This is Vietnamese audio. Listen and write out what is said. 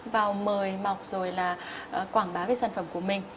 vào mời mọc rồi là quảng bá cái sản phẩm của mình